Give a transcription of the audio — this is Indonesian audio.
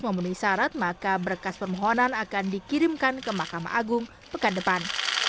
memenuhi syarat maka berkas permohonan akan dikirimkan ke mahkamah agung pekan depan